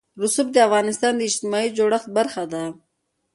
رسوب د افغانستان د اجتماعي جوړښت برخه ده.